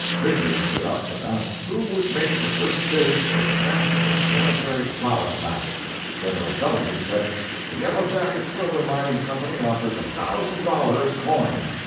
Gridley stood up and asked who would make the first bid for the National Sanitary Flour Sack. Gen. W. said: "The Yellow Jacket silver mining company offers a thousand dollars, coin!"